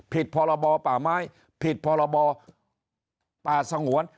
พรบป่าไม้ผิดพรบป่าสงวน